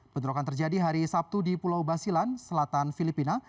bentrokan terjadi hari sabtu di pulau basilan selatan filipina